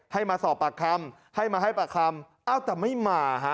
ให้มาสอบปากคำให้มาให้ปากคำเอ้าแต่ไม่มาฮะ